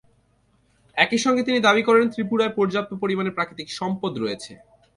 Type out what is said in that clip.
একই সঙ্গে তিনি দাবি করেন, ত্রিপুরায় পর্যাপ্ত পরিমাণে প্রাকৃতিক সম্পদ রয়েছে।